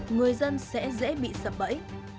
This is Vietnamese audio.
người dân sẽ dễ bị sập bẫy